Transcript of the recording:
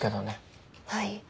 はい。